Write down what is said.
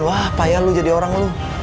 wah payah lu jadi orang lo